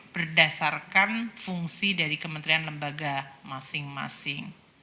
berdasarkan fungsi dari kementerian lembaga masing masing